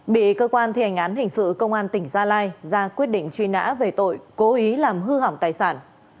bị cơ quan thi hành án hình sự công an tỉnh gia lai ra quyết định truy nã về tội cố ý làm hư hỏng tài sản